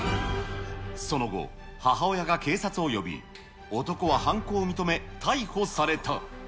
その後、母親が警察を呼び、男は犯行を認め、逮捕された。